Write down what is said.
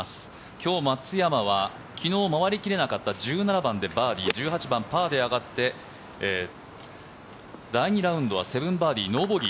今日、松山は昨日回り切れなかった１７番でバーディー１８番、パーで上がって第２ラウンドは７バーディーノーボギー。